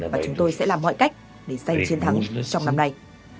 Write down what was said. và chúng tôi sẽ làm mọi cách để giành chiến thắng trong năm nay